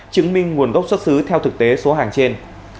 chứng minh nguồn gốc xuất xứ theo thực tế số hàng trên